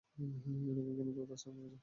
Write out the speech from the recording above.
এরকম কোনো তথ্য আছে, আপনার কাছে?